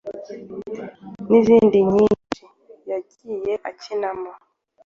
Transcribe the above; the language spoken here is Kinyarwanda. n’izindi nyinshi.yagiye akinamo